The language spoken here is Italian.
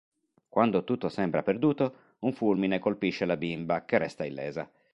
Quando tutto sembra perduto, un fulmine colpisce la bimba che resta illesa.